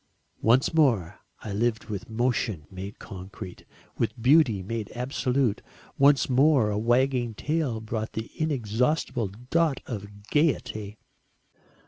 Once more I lived with motion made concrete, with beauty made absolute once more a wagging tail brought the inexhaustible dot of gaiety.